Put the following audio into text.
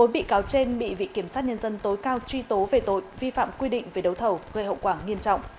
bốn bị cáo trên bị vị kiểm sát nhân dân tối cao truy tố về tội vi phạm quy định về đấu thầu gây hậu quả nghiêm trọng